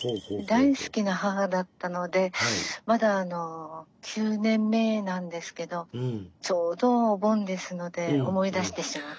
大好きな母だったのでまだ９年目なんですけどちょうどお盆ですので思い出してしまって。